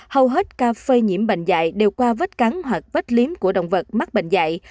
hầu hết ca phơi nhiễm bệnh dại đều qua vết cắn hoặc vết liếm của động vật mắc bệnh dạy